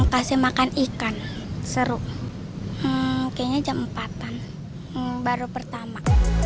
kasih makan ikan seru kayaknya jam empat an baru pertama